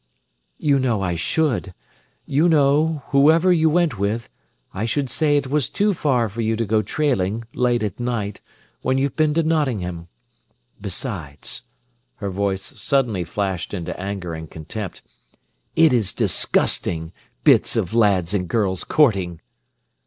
"You know I should. You know, whoever you went with, I should say it was too far for you to go trailing, late at night, when you've been to Nottingham. Besides"—her voice suddenly flashed into anger and contempt—"it is disgusting—bits of lads and girls courting."